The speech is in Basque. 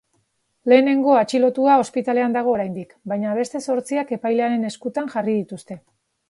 Lehenengo atxilotua ospitalean dago oraindik, baina beste zortziak epailearen eskutan jarri dituzte.